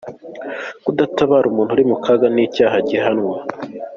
Kudatabara umuntu uri mu kaga ni icyaha gihanwa